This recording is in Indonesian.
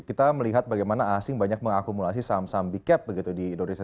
kita melihat bagaimana asing banyak mengakumulasi saham saham big cap begitu di indonesia